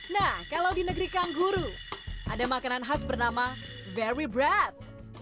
nah kalau di negeri kangguru ada makanan khas bernama very bread